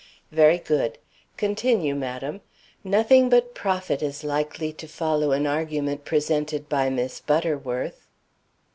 "Very good. Continue, madam. Nothing but profit is likely to follow an argument presented by Miss Butterworth."